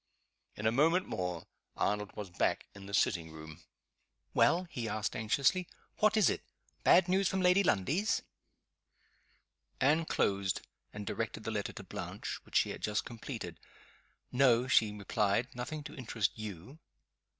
In a moment more Arnold was back in the sitting room. "Well?" he asked, anxiously. "What is it? Bad news from Lady Lundie's?" Anne closed and directed the letter to Blanche, which she had just completed. "No," she replied. "Nothing to interest you."